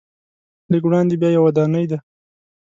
لږ وړاندې بیا یوه ودانۍ ده.